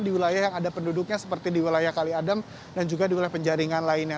di wilayah yang ada penduduknya seperti di wilayah kali adam dan juga di wilayah penjaringan lainnya